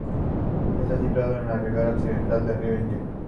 Está situado en la rivera occidental del Río Indo.